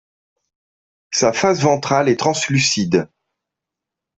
Sa face ventrale est translucide.